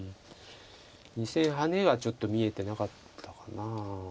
２線ハネがちょっと見えてなかったかな。